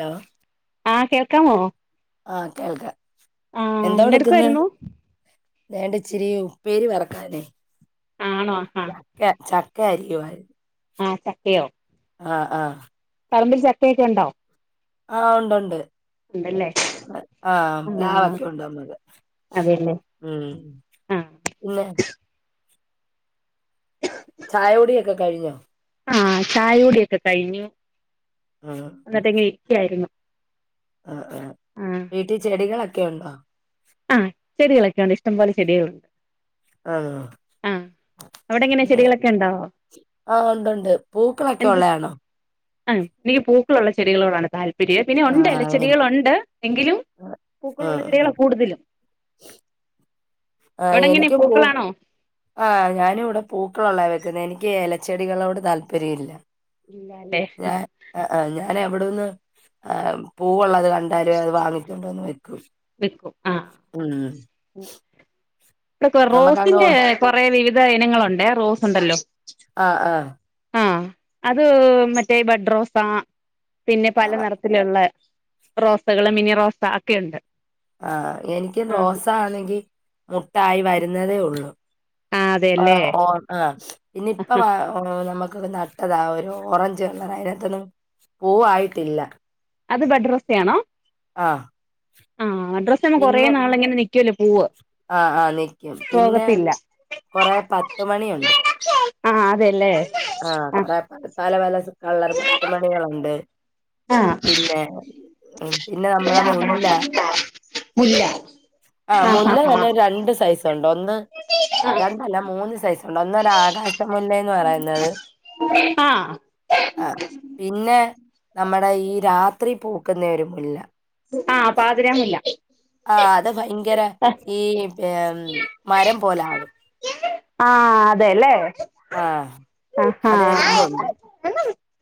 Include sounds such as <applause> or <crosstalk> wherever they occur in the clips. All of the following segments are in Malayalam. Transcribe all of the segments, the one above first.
ലോ ആ കേൾക്കാമോ? ആ കേൾക്കാ? ആ എന്തെടുക്കുവായിരുന്നു? ദേണ്ട് ഇച്ചിരി ഉപ്പേരി വർക്കാനേ ആണോ ചക്ക ചക് ക്കരിയുവായി അ ചക്കയോ ആ അ പറമ്പിൽ ചക്കയൊക്കെയുണ്ടോ? ആ ഉണ്ട് ഉണ്ട് ആ പ്ലാവ് ആഹ് ഒക്കെ ഉണ്ടാവുന്നത് അതെല്ലേ ഉം ആഹ് പിന്നെ ചായുടിയൊ ക്കെ കഴിഞ്ഞോ? ആ ചായുടിയൊക്കെ കഴിഞ്ഞു എന്നട്ടിങ്ങനെ ഇരിക്ക്യായിരുന്നു അ ആ വീട്ടി ചെടികളൊക്കെ ഉണ്ടോ ആ ചെടികളൊക്കെണ്ട് ഇഷ്ടം പോലെ ചെടികളുണ്ട് ആ ആഹ് അവിടെ എങ്ങനെ ചെടികളൊക്കെ ഉണ്ടോ ആ ഉണ്ട്ണ്ട് പൂക്കൊളൊക്കെ ഉള്ളേ ആണ് അ നീ പൂക്കളുള്ള ചെടികളോടാണോ താൽപ പിരിയ പിന്നെ ഉണ്ടലോ ആഹ് ചെടികളുണ്ട് എങ്കിലും പൂക്കളുള്ള ആഹ് ചെടികളാ കൂട്തലും ആ എനിക്കും പൂ പൂക്കളാണോ ആ ഞാനിവിടെ പൂക്കളുള്ളാ വെക്കുനേ എനിക്ക് എല ചെടികളോട് താൽപര്യല്ല ഇല്ലാലേ അല്ല അവിടുന്ന് ഏ പൂവുള്ളത് കാ ന്തായാലും അത് വാങ്ങിക്കുമ്പോ ന്ന് വെ പിക്കും അ കക്ക നമ്മക്കങ്ങ് റോസ്റ്റിന്റെ കുറേ വരു എത്ര ഇനങ്ങൾ ഉണ്ട് റോസ് ഉണ്ടല്ലോ അ ആ ആഹ് അത് മറ്റേ വട് റോസ് പിന്നെ പല ആഹ് നിറത്തിലുള്ള റോസകളും മിനി റോസ ഒക്കെയുണ്ട് ആ എനിക്ക് ആഹ് റോസ ആണെങ്കിൽ മുട്ടായി വരുന്നതേയുള്ളൂ ആഹ് ആ അതെല്ലേ ഓ ങ ഇനി ഇപ്പാ വ ഓ നമുക്ക് നട്ടതാ ഒരു ഓറഞ്ച് കളർ അയിനത്തി നും പൂവായിട്ടില്ല അത് ബഡ്റോസ്റ്റ ആണോ ആ ആ മഡ്ർസ്റ്റ് കുറെ നാള് ഇങ്ങനെ നിൽക്കുവല്ലോ പൂവ് ആഹ് ആഹ് നിക്കും പിന്നെ പോകത്തില്ല കൊറെ ആ എന്നെ എടുക്ക് ആ അതെ അല്ലേ അ ക പലപലസ് കളർ മുത്തുമണികൾ ഉണ്ട് ആഹ് പിന്നെ പിന്നെ നമ്മുടെ മുല്ല മുല്ല ആ ആഹ് മുല്ല ആഹ് തന്നെ ആഹ് രണ്ട് സൈസ് തൊണ്ടൊന്ന് ഒന്ന് രണ്ടല്ല മൂന്ന് സൈസ് ഉണ്ട് ഒന്ന് ആകാശ മുല്ലെ എന്ന് പറയുന്നേ അത് ആഹ് അ പിന്നെ നമ്മുടെ ഈ രാത്രി പൂക്കുന്ന ഇരുപ്പില്ല ആ പാതിരാ മുല്ല ആ ഭയങ്കര ഈ മരം പോലെയാകും ആ അതെയല്ലേ അ അതേല ഉണ്ട്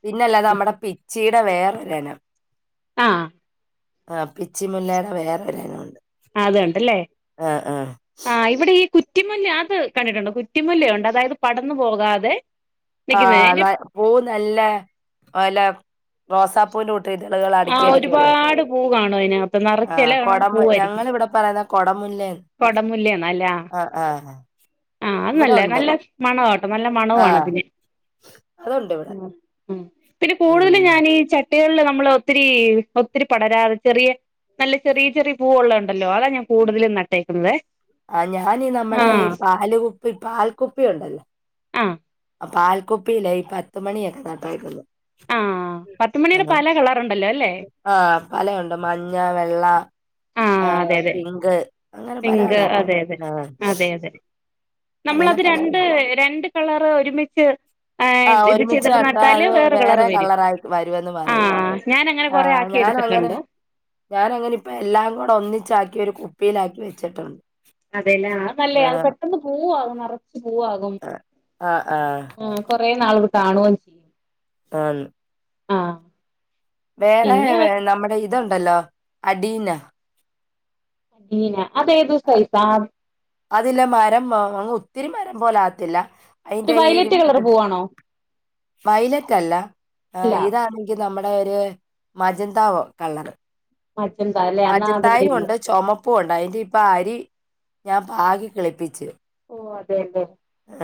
പിന്നല്ലാതെ നമ്മുടെ പിച്ചി വേറെ ഒരു ഇനം അ പിച്ച മുല്ലയുടെ വേറെ ഇനം അതുകൊണ്ട് ഇല്ലേ ആ ഇവിടെ ഈ കുറ്റിമുല്ല അത് കണ്ടിട്ടുണ്ടേ കുറ്റി മുല്ലയുണ്ട് അതായത് പടർന്നു പോകാതെ ആ നിൽക്കുന്നേ ന അതിന്റെ പൂ നല്ല പല റോസാപ്പൂവിനെ കൂട്ട് ഇതളുകൾ ആ അടുക്കി അടുക്കി ഉള്ളെ ഒരുപാട് പൂ കാണും അതിനകത്തു നെറച്ച് ഇല കാണും പൂ ആയിരിക്കും കൊടം കുടമുല്ലേ ആണോ എല ആഹ് ആ അത് ഇവിടെ നല്ലത ഉണ്ട് നല്ല മണവും നല്ല മണവും ആഹ് അതിന് അതുണ്ട് ഇവിടെ ഉം പിന്നെ കുടുതലും ഉം ഞാൻ ഈ ചാ ട്ടിയേള് നമ്മള് ഒത്തിരി ഒത്തിരി പടരാറ് ചെറിയ നല്ല ചെറിയ ചെറിയ പൂ ഉള്ളതു ഉണ്ടല്ലോ അതാ ഞാൻ കുടുതലും ന ട്ടേക്കണത് ആ ഞാന് നമ്മടെ പാല് കുപ്പി പാൽകുപ്പി ഉണ്ടല്ലോ ആ പാൽ കുപ്പിയില ഈ പത്തുമണിഒക്കെ നാട്ടേക്കുന്നെ ആ പത്തുമണിയുടെ പല കളറുണ്ടല്ലോ അല്ലേ ആ പലേ ഉണ്ട് മഞ്ഞ വേ ള്ള ആ അതെ അതെ പിങ്ക് അങ്ങനെ പല പിങ്ക് കളർല് ഉം നമ്മള്ളത് രണ്ട് രണ്ട് കളറ് ഒരുമിച്ച് ആ ആഹ് ഇത് ഒരുമിച്ച് ചെയ്തിട്ട് നട്ടാൽ നട്ടാല് അത് വേറെ കളറ് വരും കളർ ആയി വരുമെന്ന് പറയും ആഹ് ഞാൻ അങ്ങനെ ആ കൊറെ ആക്കി ഞാൻ അങ്ങനെ എടുത്തിട്ടുണ്ട് ഞാൻ അങ്ങനെ ഇപ്പ എല്ലാ കുടി ഒന്നിച്ച് ആക്കി ഒരു കു പ്പിലാക്കി വെച്ചിട്ടുണ്ട് അതെലെ ആ നല്ലതാ ആഹ് പെട്ടന്ന് പൂ ആവും നറാ പൂ ആവും ആഹ് ആഹ് ആഹ് ഉം കൊറേ നാള് നി കാണുവേം ചെയ്യും ആന്ന് ആഹ് വേറെ പിന്നെ നമ്മടെ ഇ തുഉണ്ടല്ലോ അടിന അടിന അത് ഏത് സൈസ് ആ ത്തിരി മരം പോലെ ആവാത്തില്ല അതിന്റെ ഈ വയലറ്റ് കളർ പൂവാണോ വൈലറ്റ് അല്ല അല്ല ഇതാ ആണെങ്കിൽ നമ്മടെ ഒരു മജന്ത കളറ് മജന്ത അല്ലേ എന്നാ അത് ഇവിടെ മജന്തയും ഇല്ല ഉണ്ട് ചോമപ്പും ഉണ്ട് അതിന്റ ഇപ്പ അരി ഞാൻ പാകി കിളിപിച്ചു ഓ അതെലെ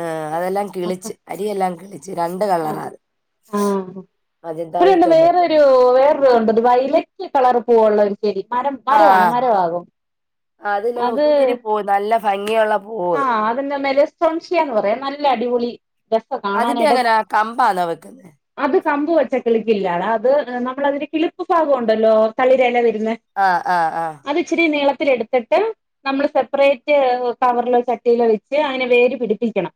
ആ അതെല്ലാം കിളിച്ച്. അരിയെല്ലാം കിളിച്ച്. രണ്ട് കളറാ ആഹ് അത് ആഹ് മജന്തയും ഇവിടെണ്ട് ചുമപ്പ വേറൊരു പൂവെള്ളെരു ആ അത് ഇല്ല ഒത്തിരി പൂ നല്ല ഭംഗിയുള്ള പൂ. അതിന്റെ മേലേ സംശയ എന്ന് പറയും. നല്ല അടിപൊളി അതിന്റെ കാണാനായിട്ട്. എങ്ങനാ കമ്പാന്നോ വെക്കുന്നെ അത് കമ്പ് വെച്ചാ കിളിക്കില്ലാടാ അത് നമ്മളതിന്റെ കിളിപ്പ് ഭാഗം ഉണ്ടല്ലോ തളിരെലവെ ആഹ് ആഹ് ആഹ് അത് ഇച്ചിരി നീള ച്ചെടുത്തിട്ട് നമ്മള് സപ്പറേറ്റ് കവറിലോട്ട് <unintelligible> വെച്ച് അതിനെ വേര് പിടിപ്പിക്കണം.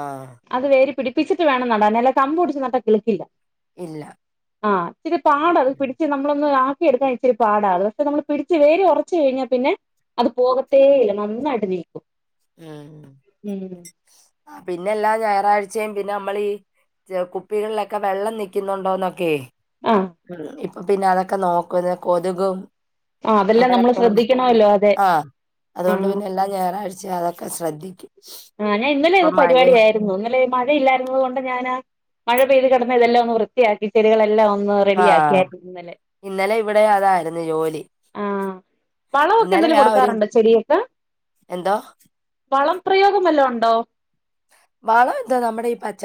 ആഹ് അത് വേര് പിടിപ്പിച്ചിട്ട് വേണം നടാന് അല്ലാതെ കമ്പ് ഒടിച്ചുനട്ടാൽകിളിക്കില്ല. ഇല്ല ആ ഇച്ചിരി പാടാ അത് പിടിച്ച് നമ്മളെന്നാക്ക ആക്കിയെടുക്കാൻ ഇത്തി രിപാടാണ് പക്ഷെ നമ്മള് പിടിച്ച് വേര് ഉറച്ചുകഴിഞ്ഞാൽ പിന്നെ അത് പോകത്തെഇല്ല നന്നായിട്ടുനില്കും. മ് പിന്നെ എല്ലാഞായറാഴ്ചയും പിന്നെ നമ്മളികുപ്പികളിലോക്കെ വെള്ളം നിക്കുന്നുണ്ടോ ഒക്കയെ ആഹ് <inaudible> പിന്നെ അതൊക്ക നോക്കും കൊതുകും ആഹ് അതെല്ലാം നമ്മള് ശ്രദ്ധിക്കണമല്ലോ അതെ ആ അതുകൊണ്ടു ആഹ് പിന്നെ എല്ലാ ഞായറാഴ് ഞാനതൊക്കെ ശ്രദ്ധിക്കും. ഞാന് ഇപ്പൊ ഇന്നലെയാ മഴയും പരുപാടിയായിരുന്നു. ഇന്നലെ മഴയില്ലായിരുന്ന കൊണ്ട് ഞാന് മഴ പെയ്തു കിടന്നിടവെല്ലാം വൃത്തിയാക്കി ചെടികളെല്ലാം ഒന്നു റെഡിയാക്കിയായിരുന്നു ഇന്നലെ. ഇവിടെയും അതായിരുന്നു ജോലി. വളം ഒക്കെ ഇന്നലെ എന്തേലും ആ ഒരു കൊടുക്കാറുണ്ടോ ചെടികൾക്ക്? എന്തോ വളം പ്രയോഗം വല്ലോം ഉണ്ടോ? വളം എന്തുവാ നമ്മുടെ ഈ പച്ച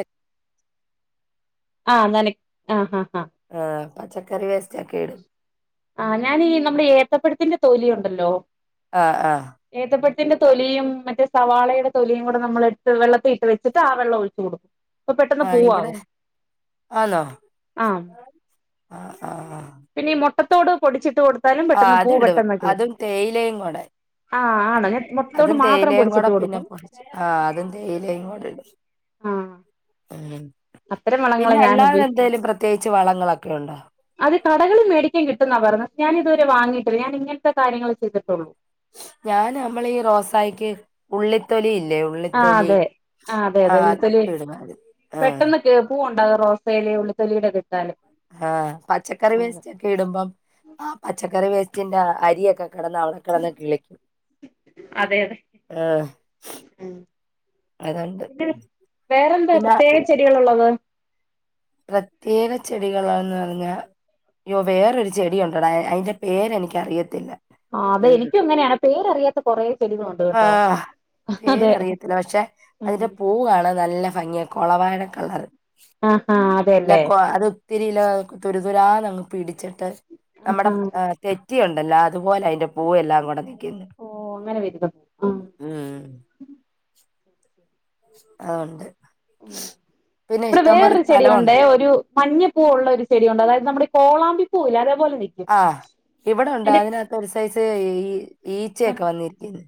ആ നന ആ ആ ആ പച്ചക്കറി വേസ്റ്റ് ഒക്കെ ഇടും ഞാന് ഈ നമ്മുടെ ഏത്തപ്പഴത്തിന്റെ തൊലിയു ല്ലോ? ആ ആ ത്തിന്റെ തൊലിയും മറ്റേ സവാളയുടെ തൊലിയും കൂടെ നമ്മളെടുത്ത് വെള്ളത്തിലിട്ടു വെച്ചിട്ട് ആ വെള്ളം ഒഴിച്ചു കൊടുക്കും. അപ്പം പെട്ടന്ന് ആഹ് ഇവിടെ പൂവാവും. ആഹാ പിന്നെ ഈ മു ട്ട തോട് പൊടിച്ചു ഇട്ട് കൊട് ആ അതിടും അതും തേയിലയും കൂടെ ആഹ് ആണോ ഞാൻ മുട്ടത്തോട് അതും മാത്രം തേയിലയും കൂടെ പൊടിച്ചിട്ട് പിന്നെ കൊടുക്കും പൊടിച്ചു അതും തേയിലയും കൂടിടും അ അത്തരം വളങ്ങള പിന്നെ ഞാൻ അല്ലാതെ ഉപയോഗിക്കുന്നെ എന്തേലും പ്രത്യേകിച്ച് വളങ്ങളൊക്കെ ഉണ്ടോ അത് കടകളിന്ന് മേടിക്കാൻ കിട്ടുന്ന പറയുന്നേ ഞാൻ ഇത് വരെ വാങ്ങിട്ടില്ല ഞാൻ ഇങ്ങനത്തെ കാര്യങ്ങള് ചെയ്തിട്ട് ഉള്ളൂ ഞാൻ നമ്മളെ ഈ റോസായിക്ക് ഉള്ളി തൊലി ഇല്ലേ ആഹ് ഉള്ളിതൊലി അതെ ആഹ് അതെ ആ അതെ അതാ ഉള്ളിത്തൊലി ഇടുന്നെ റോസേല് ഉള്ളി തൊലിടെ ആ പച്ചക്കറി വേസ്റ്റ് ഒക്കെ ഇടുംബം ആ പച്ചക്കറി വേസ്റ്റ് <unintelligible> അരി ഒക്കെ കടന്ന് അവിടെ കിടന്ന് <unintelligible> അതെ അതെ ആ അതോണ്ട് പിന്നെ വേറെന്താ പിന്ന പ്രത്യേക ചെടികളുള്ളത് പ്രേത്യേക ചെടികളെന്ന് പറഞ്ഞാൽ വേറെരു ചെടി ഉണ്ടടാ അതിന്റെ പേര് എനിക്ക് അറിയത്തില്ല ആ അതെ എനിക്കും അങ്ങന പേരറിയാത്ത കുറേ ചെടികൾ ഉണ്ട് കേട്ടോ ആഹ്! ആ അതെ പേരറിയത്തില്ല. <unintelligible> കോളവാഴ കളർ ആഹാ ല്ല അതെല്ലേ കൊ അത് ഒത്തിരി ഇല്ല തുരു തുരാന്ന് അങ്ങ് പിടിച്ച് നമ്മടെ ആഹാ ആ <unintelligible> <unintelligible> അത് പോലാ അതിന്റെ പൂ എല്ലാം കൂടെ നിക്കുന്നെ ഓ അങ്ങനെ വരുന്നു ആഹ് ആ ഉണ്ട് ഉം ഇവിടെ വേറെരു ചെടിയുണ്ടേ സ്ഥലവുണ്ട്. ഒരു മഞ്ഞപ്പൂ ഉള്ളൊരു ചെടിയുണ്ട്. അതായത് നമ്മുടെ ഈ കോളാമ്പിപ്പൂ ഇല്ലേ അതെ ആ ഇവിടെ ഉണ്ട്. അതിനകത്ത് ഒരു സൈസ് ത് ഈ ഈച്ചയൊക്കെ വന്നിരിക്ക്ന്ന്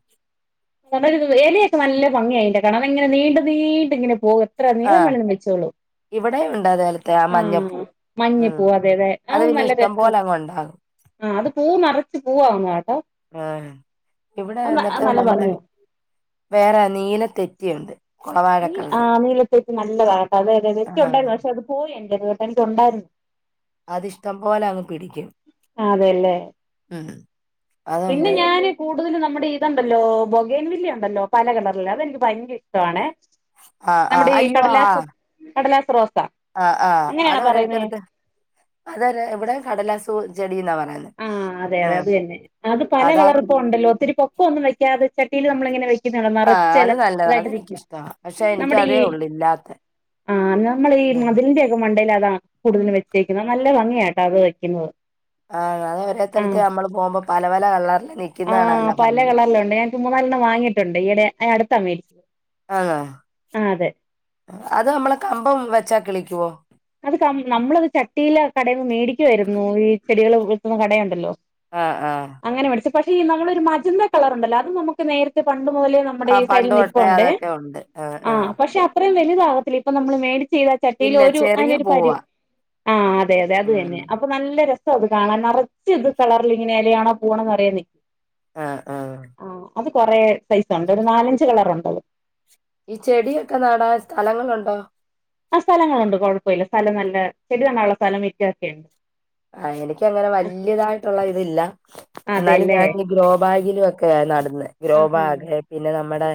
എലയൊക്കെ നല്ല ഭംഗിയാ അതിന്റെ കാണാൻ. അതങ്ങനെ നീണ്ട് നീണ്ട് ഇങ്ങനെ പോകും എത്ര നീളം വേണേലും വച്ചോളും വിടേം ഉണ്ട് അതെലെ തെ ആ മഞ്ഞപ്പൂ. മഞ്ഞ ഉം പൂവ് അതെ അതെ അത് പിന്നെ നല്ല ഇഷ്ടം രസ പോലെങ്ങ് ഉണ്ടാകും. ആഹ് അത് പൂ നിറച്ച് പൂവാവുന്ന കേട്ടോ ഏഹ്. ഇവിടെ അത് എന്നിട്ട് നല്ല നമ്മുടെ ഭംഗിയാ വേറെ നീല തെറ്റി ഉണ്ട്. നീൽ ആ നീല ചെ നല്ലതാ അതെ അതെ ഒക്കെ ആഹ് ഉണ്ടായിരുന്നു. പക്ഷെ അത് പോയി ഇനി <unintelligible> എനിക്ക് ഉണ്ടായിരുന്നു അതിഷ്ട്ടം പോലെ അങ്ങ് പിടിക്കും. അതെല്ലേ ഉം പിന്നെ അതുണ്ട് ഞാന് കു ത് പിന്നെ നമ്മടെ ഇത്ണ്ടല്ലോ ബോഗേൻവില്ലയുണ്ടല്ലോ, പല കളറില്ള്ളെ. അതെനിക്ക് ഭയങ്കര ഇഷ്ടവാണെ. ആഹ് ആഹ് അയ്യോ ആഹ് <unintelligible> ആഹ് ആഹ് അങ്ങനെയാണോ പറയുന്നേ അതോരോത്തർക്ക്. അതൊര് എവിടാ കടലാസ് പൂ ആഹ് അതെ അതെ അത് തന്നെ. അത് പല അതാ കളറിപ്പോ ഉണ്ടല്ലോ ഒത്തിരി പൊക്കോ ഒന്നും വെക്കാതെ ചട്ടീല് നമ്മളിങ്ങനെ വെക് ട്ടി ആഹ് നെറച്ച് അത് നല്ലതാ എലകളായിട്ട് നിക്കും. അതെനിക്കിഷ്ടാ പക്ഷെ എനിക്ക് നമ്മുടെ ഈ, അതേ ഉള്ളൂ ഇല്ലാത്തെ ആഹ്, നമ്മുടെ ഈ ഉം മതിലിന്റെ ഒക്കെ മണ്ടേലാ ആഹ് കൂടുതൽ വെച്ചേക്കുന്നേ. നല്ല ഭംഗിയാ കേട്ടോ അത് വെക്കുമ്പോ. ആഹ് അത് ഓരോരുത്തരത്ത് ആഹ്. നമ്മള് പോകുമ്പോ പല പല കളറില് നിക്കുന്ന കാണാൻ നല്ല ആഹ് പല ഭംഗിയാ കളറിൽ ഉണ്ട്. ഞാനിപ്പോ മൂന്നാലെണ്ണം വാങ്ങീട്ടുണ്ട്. ഈയിടെ അടുത്താ മേടി ആന്നോ? അത് നമ്മള് കമ്പ് വെച്ച കിളി ക്കുവോ അത് കം നമ്മളത് ചട്ടില് കടേന്നു മേടിക്കുവായിരുന്നു ഈ ചെടികള് വിക്കുന്ന കടയുണ്ടല്ലോ? ആഹ് ആഹ് അങ്ങനെ മേടിച്ചു പക്ഷേ ഈ നമ്മളൊരു മജന്താ കളറുണ്ടല്ലോ? അത് നമുക്ക് നേരത്തെ പണ്ട് ണ്ട് മുതലേ നമ്മളെ ആ ഈ സൈഡിൽ പണ്ട് തൊട്ടേ നിൽപ്പുണ്ടെ. അതൊക്കെ ഉണ്ട് ആ ആ ആഹ് പക്ഷേ അത്രയും വല്താവത്തില്ല ഇപ്പോ നമ്മൾ മേടി ചെയ്താ ഇല്ല ചട്ടീലൊരു അതിന് ചെറിയ ഒരു പരി, പൂവാ ആഹ് അതെ അതെ അത് ഉം തന്നെ അപ്പോ നല്ല രസ. രസമുണ്ട് കാണാൻ നിറച്ചുണ്ട് കളറില് ഇങ്ങനെ ഇല ആണോ പൂവാണോ എന്നറിയാതെ. ആ ആ ആഹ് അത് കൊറേ സൈസ് ഉണ്ട് ഒരു നാലഞ്ച് കളറും. ഈ ചെടി ഒക്കെ നടൻ സ്ഥലങ്ങളുണ്ടോ. ആഹ് സ്ഥലങ്ങളുണ്ട് കൊഴപ്പവില്ലാ സ്ഥലം നല്ല ചെടി നടാനുള്ള സ്ഥലം മുറ്റം ഒക്കെയുണ്ട്. ആഹ് എനിക്ക് അങ്ങനെ വലിയ ആയിട്ടുള്ള ഇതില്ലാ എന്നാലും അതെല്ലേ ഞാൻ ഈ ഗ്രോ ബാഗിൽ ഒക്കെ നടുന്നു, ഗ്രോ ആഹാ ബാഗ് പിന്നെ നമ്മുടെ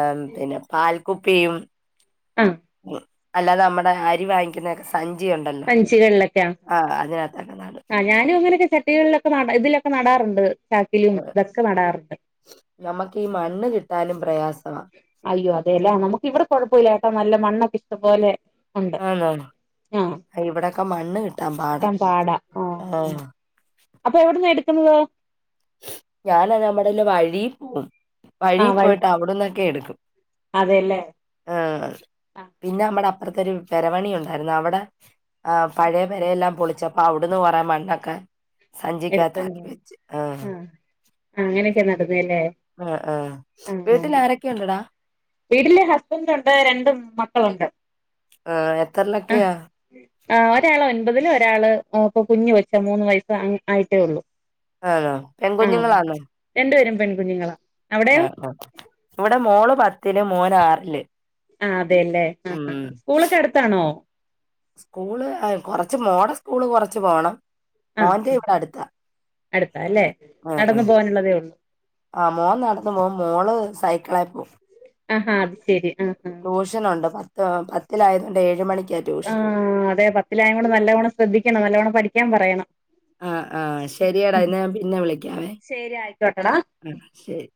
ഏഹ് പിന്നെ പാൽ. കുപ്പിയും ഉം അല്ലാതെ നമ്മുടെ അരി വാങ്ങിക്കുന്നു സ സഞ്ചികളിൽ ഒക്കെയോ അതിനകത്തൊക്കെ നടും ആഹ് ഞാനും അങ്ങനെയൊക്കെ തന്നെ ചട്ടികളിൽ ഒക്കെ നടു ഇതിലൊ ഒക്കെ നടറുണ്ട്. ചാക്കിലും ആ, ദക്കെ നടാറുണ്ട് ഉം പ്രയാസ അയ്യോ അതെല്ലേ നമുക്ക് ഇവിടെ കുഴപ്പല്ല നല്ല മണ്ണൊക്കെ ഇശ്ടം പോലെ ആന്ന ഇവിടെക്കെ മണ്ണ് കിട്ടാൻ പാട ആഹ്. അപ്പൊ <unintelligible> ഞാനാ നമ്മുടേല്ല വഴി പോം വഴി ആഹ് വഴു പോയിട്ട് അവിടന്നൊക്കെ എടുക്കും അതെല്ലേ ആഹ് ആഹ് പിന്നെമ്മടെ അത്തൊരു പെരപണി ഉണ്ടായിരു അവിടെ പഴയ പെരയെല്ലാം പൊളിച്ചപ്പ അവിടുന്ന് കുറെ മണ്ണൊക്കെ സഞ്ചിക്കത്താക്കി വെച്ച്. ആഹ് ങാ അങ്ങനൊക് എന്നട്ട് ആഹ് ആഹ് വീട്ടിലാരൊക്കെ ഉണ്ടെടാ? വീട്ടില് ഹസ്ബൻഡൊണ്ട് രണ്ടു മക്കളുണ്ട്. ആഹ് ആഹ് എത്രയിലൊക്കെയാ ആ ഒരാള് ഒൻപതില് ഒരാള് ഇപ്പൊ കുഞ്ഞ് കൊച്ചാ മൂന്ന് വയസ്സ് ആയിട്ടേള്ളു ആണോ പെൺകുഞ്ഞുങ്ങളാണോ? രണ്ടുപേരും പെൺകുഞ്ഞുങ്ങളാ ആ അവിടെയോ ഇവിടെ മോള് പ ത്തിൽ മോൻ ആറില്. ആ അതെയല്ലേ ആ ഉം ആ സ്കൂളൊക്കെ അടുത്താണോ സ്കൂള് കൊറച്ച് മോഡ സ്കൂൾ കുറച്ച് പോകണം. ആ അടുത്താ അല്ലെ നടന്നു പോവാനുള്ളതേ ഉള്ളൂ ആ മോൻ നടന്നു പോ മോള് സൈക്കിളാ പോകവും ആഹാ അത് ശെരി ആ ആ പത്തിലായയത് കൊണ്ട് ഏഴ് മണിക്ക് ആ അതെ പത്തിലായം കൊണ്ട് നല്ലവണം ശ്രദ്ധിക്കണം നല്ലവണം പഠിക്കാൻ പറയണം ആ ആ ശരിയടാ ഇന്ന് ഞാൻ പിന്നെ വിളിക്കാവേ ശരി ആയിക്കോട്ടെടാ ആ ശരി